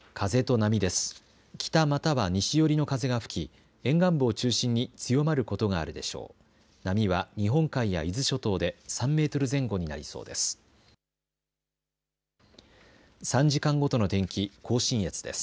波は日本海や伊豆諸島で３メートル前後になりそうです。